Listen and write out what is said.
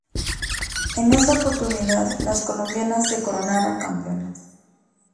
En esa oportunidad, las colombianas se coronaron campeonas.